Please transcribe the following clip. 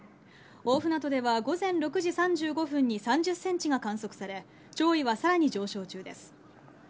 大船渡では午前６時３５分に３０センチが観測され、潮位はさらに上昇中です。